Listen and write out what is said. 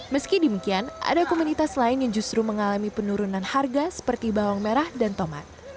meski demikian ada komunitas lain yang justru mengalami penurunan harga seperti bawang merah dan tomat